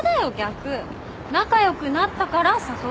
仲良くなったから誘ったの。